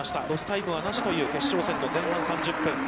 ロスタイムはなしという決勝戦の前半３０分。